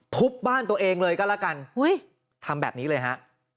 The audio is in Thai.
ทุบบ้านตัวเองเลยก็แล้วกันทำแบบนี้เลยฮะ